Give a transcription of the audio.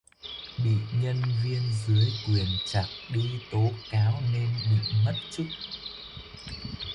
Bị nhân viên dưới quyền trặc đi tố cáo nên bị mất chức